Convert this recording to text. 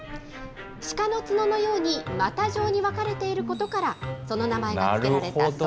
鹿の角のように股状に分かれていることから、その名前が付けられなるほど。